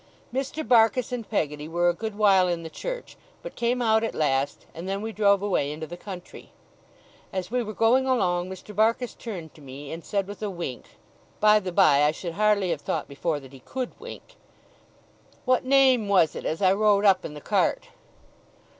Mr. Barkis and Peggotty were a good while in the church, but came out at last, and then we drove away into the country. As we were going along, Mr. Barkis turned to me, and said, with a wink, by the by, I should hardly have thought, before, that he could wink: 'What name was it as I wrote up in the cart?